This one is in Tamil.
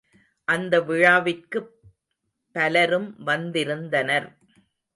அந்த விழாவிற்குப் பலரும் வந்திருந்தனர்.